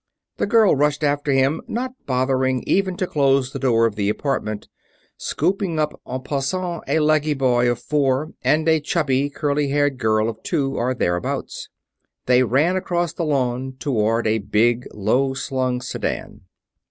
The girl rushed after him, not bothering even to close the door of the apartment, scooping up en passant a leggy boy of four and a chubby, curly haired girl of two or thereabouts. They ran across the lawn toward a big, low slung sedan.